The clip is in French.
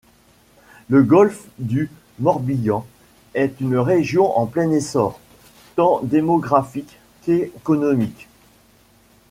Le golfe du Morbihan est une région en plein essor, tant démographique qu’économique.